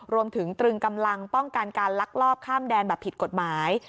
ตรึงกำลังป้องกันการลักลอบข้ามแดนแบบผิดกฎหมาย